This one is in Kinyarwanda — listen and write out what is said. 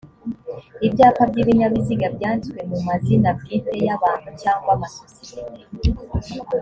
ibyapa by ibinyabiziga byanditswe mu mazina bwite y abantu cyangwa amasosiyete